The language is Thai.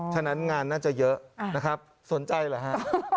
ฉะนั้นงานน่าจะเยอะนะครับสนใจเหรอฮะ